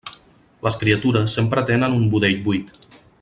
Les criatures sempre tenen un budell buit.